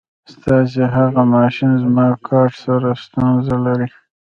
ستاسې هغه ماشین زما کارټ سره ستونزه لري.